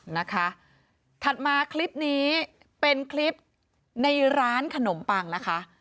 นะคะถัดมาคลิปนี้เป็นคลิปในร้านขนมปังนะคะ